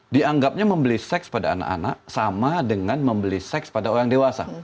dianggapnya membeli seks pada anak anak sama dengan membeli seks pada orang dewasa